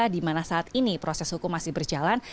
di mana saat ini proses hukum masih berjalan